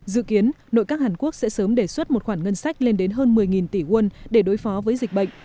dự kiến nội các hàn quốc sẽ sớm đề xuất một khoản ngân sách lên đến hơn một mươi tỷ won để đối phó với dịch bệnh